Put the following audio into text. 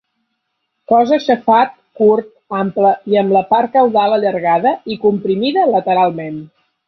Cos aixafat, curt, ample i amb la part caudal allargada i comprimida lateralment.